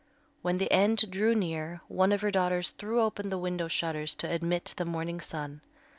When the end drew near, one of her daughters threw open the window shutters to admit the morning sun.